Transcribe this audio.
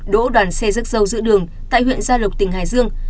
đổ đoàn xe rớt dâu giữa đường tại huyện gia lộc tỉnh hải dương